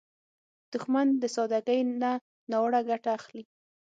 دښمن د سادګۍ نه ناوړه ګټه اخلي